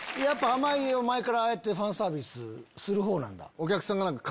濱家は前からああやってファンサービスするほうなんだ。